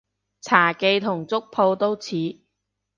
茶記同粥舖都似